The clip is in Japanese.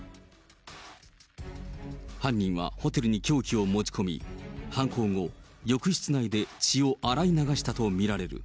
犯人はホテルに凶器を持ち込み、犯行後、浴室内で血を洗い流したと見られる。